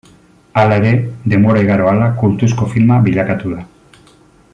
Halere, denbora igaro ahala kultuzko filma bilakatu da.